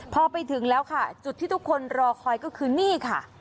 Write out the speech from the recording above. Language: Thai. พอไปถึงแล้วค่ะจุดที่ทุกคนรอคอยก็คือนี่ค่ะ